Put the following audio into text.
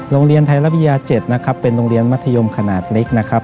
โรงเรียนไทยรัฐวิทยา๗นะครับเป็นโรงเรียนมัธยมขนาดเล็กนะครับ